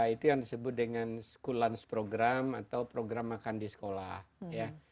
itu yang disebut dengan school lunch program atau program makan di sekolah